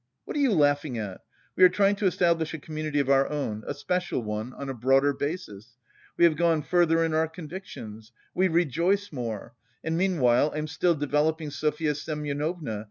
What are you laughing at? We are trying to establish a community of our own, a special one, on a broader basis. We have gone further in our convictions. We reject more! And meanwhile I'm still developing Sofya Semyonovna.